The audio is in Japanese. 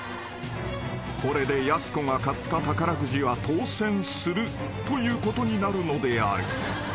［これでやす子が買った宝くじは当せんするということになるのである］